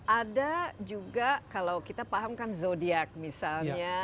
ada juga kalau kita pahamkan zodiac misalnya